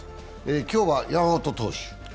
今日は山本投手。